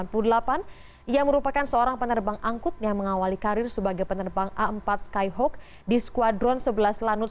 persiapan penandatanganan berita acara penandatanganan